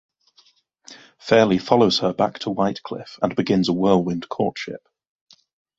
Fairley follows her back to Whitecliff and begins a whirlwind courtship.